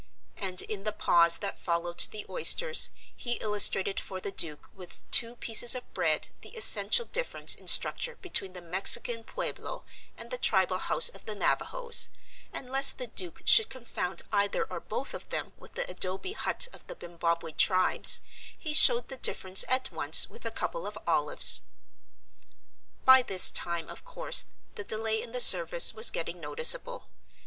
And in the pause that followed the oysters he illustrated for the Duke with two pieces of bread the essential difference in structure between the Mexican pueblo and the tribal house of the Navajos, and lest the Duke should confound either or both of them with the adobe hut of the Bimbaweh tribes he showed the difference at once with a couple of olives. By this time, of course, the delay in the service was getting noticeable.